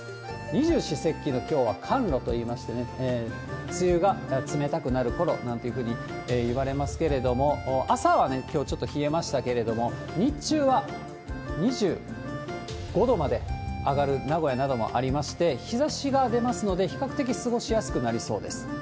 二十四節気のきょうは寒露といいまして、梅雨が冷たくなるころなんていうふうにいわれますけれども、朝はきょうちょっと冷えましたけれども、日中は２５度まで上がる、名古屋などもありまして、日ざしが出ますので、比較的過ごしやすくなりそうです。